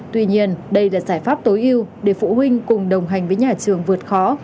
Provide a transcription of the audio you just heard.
tuy nhiên đây là giải pháp tối ưu để phụ huynh cùng đồng hành với nhà trường vượt khó